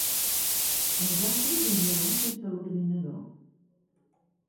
Nosaltres hi juguem des de l'ordinador.